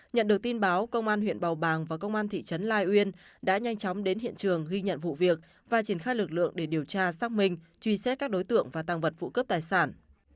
nhận được tin báo công an huyện bào bàng và công an thị trấn lai uyên đã nhanh chóng đến hiện trường ghi nhận vụ việc và triển khai lực lượng để điều tra xác minh truy xét các đối tượng và tăng vật vụ cướp tài sản